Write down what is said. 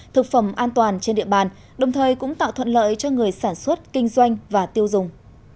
thực phẩm an toàn trên địa bàn đồng thời cũng tạo thuận lợi cho người sản xuất kinh doanh và tiêu dùng